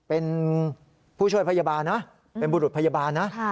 เป็นผู้ช่วยพยาบาลนะเป็นบุรุษพยาบาลนะ